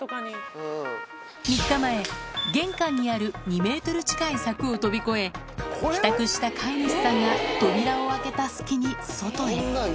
３日前、玄関にある２メートル近い柵を飛び越え、帰宅した飼い主さんが扉を開けた隙に外へ。